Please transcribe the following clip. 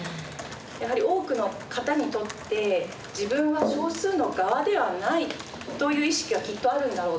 やはり多くの方にとって「自分は少数の側ではない」という意識はきっとあるんだろう。